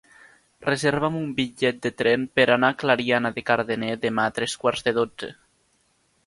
Reserva'm un bitllet de tren per anar a Clariana de Cardener demà a tres quarts de dotze.